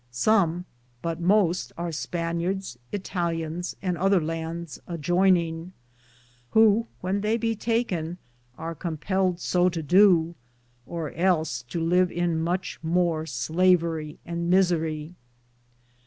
Som, but moste are Spanyardes, Italians, and other Hands adjoyninge, who, when they be taken, ar compelled so to doo, or els to live in moche more slaverie and myserie.